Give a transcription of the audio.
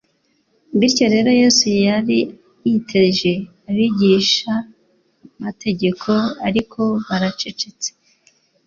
Bityo rero Yesu yari yiteje abigishamategeko "ariko baracecetse.